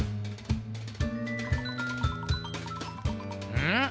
うん？